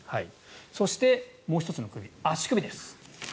そして、もう１つの首足首です。